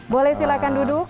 boleh silahkan duduk